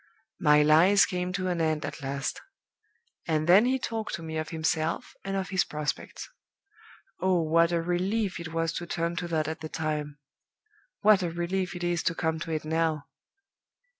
"My lies came to an end at last. And then he talked to me of himself and of his prospects. Oh, what a relief it was to turn to that at the time! What a relief it is to come to it now!